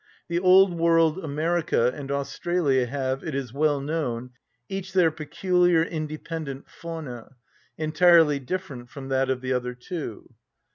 The old world, America, and Australia have, it is well known, each their peculiar independent fauna, entirely different from that of the other two.